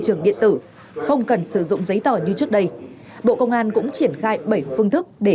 trường điện tử không cần sử dụng giấy tờ như trước đây bộ công an cũng triển khai bảy phương thức để